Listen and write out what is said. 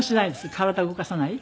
体動かさない。